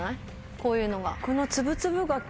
こういうのが。